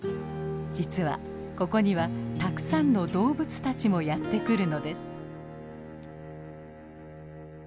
実はここにはたくさんの動物たちもやって来るのです。